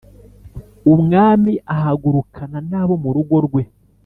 Umwami ahagurukana n abo mu rugo rwe